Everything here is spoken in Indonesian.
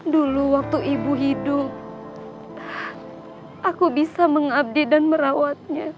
dulu waktu ibu hidup aku bisa mengabdi dan merawatnya